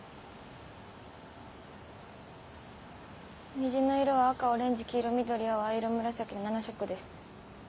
虹の色は赤オレンジ黄色緑青藍色紫の７色です。